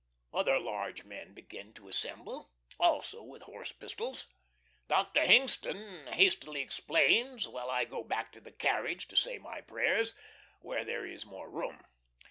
Other large men begin to assemble, also with horse pistols. Dr. Hingston hastily explains, while I go back to the carriage to say my prayers, where there is more room.